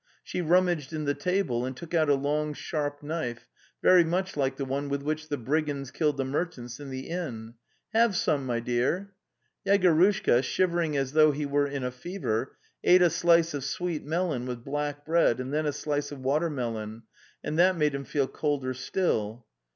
She rummaged in the table and took out a long sharp knife, very much like the one with which the brigands killed the merchants in the inn. '" Have some, my dear" Yegorushka, shivering as though he were in a fever, ate a slice of sweet melon with black bread and then a slice of water melon, and that made him feel colder still.